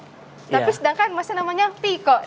tapi sedangkan masnya namanya viko nih